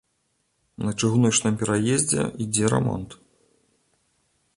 На чыгуначным пераездзе ідзе рамонт.